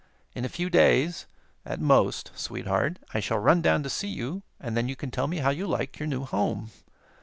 In a few days, at most, Sweetheart, I shall run down to see you, and then you can tell me how you like your new home.